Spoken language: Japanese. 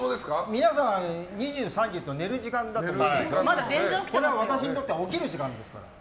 皆さん、２３時って寝る時間だと思うんですけどこれは私にとっては起きる時間ですから。